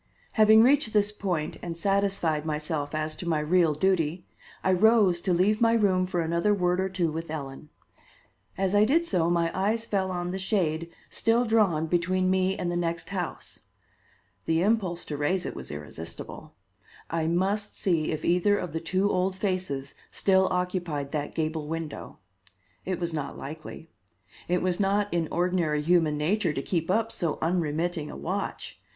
Having reached this point and satisfied myself as to my real duty, I rose to leave my room for another word or two with Ellen. As I did so my eyes fell on the shade still drawn between me and the next house. The impulse to raise it was irresistible. I must see if either of the two old faces still occupied that gable window. It was not likely. It was not in ordinary human nature to keep up so unremitting a watch.